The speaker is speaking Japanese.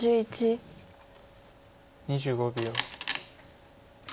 ２５秒。